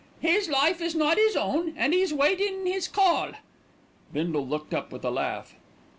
"His life is not 'is own, and he's waitin' his call." Bindle looked up with a laugh.